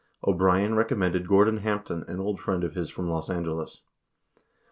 O'Brien recommended Gordon Hampton, an old friend of his from Los Angeles.